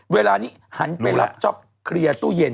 เวลานี้หันไปรับจ๊อปเคลียร์ตู้เย็น